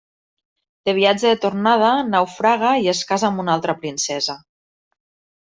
De viatge de tornada, naufraga i es casa amb una altra princesa.